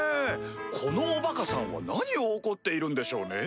このおバカさんは何を怒っているんでしょうねぇ？